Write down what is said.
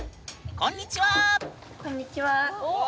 こんにちは！